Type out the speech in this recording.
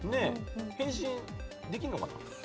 変身できるのかな。